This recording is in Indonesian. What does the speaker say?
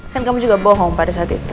kan kamu juga bohong pada saat itu